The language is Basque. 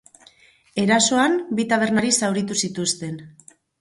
Erasoan bi tabernari zauritu zituzten.